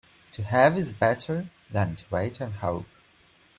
To have is better than to wait and hope.